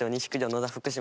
野田福島